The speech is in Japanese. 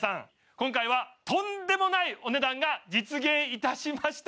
今回はとんでもないお値段が実現いたしました！